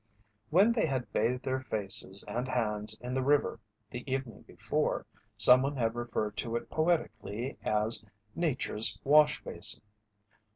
When they had bathed their faces and hands in the river the evening before someone had referred to it poetically as "Nature's wash basin."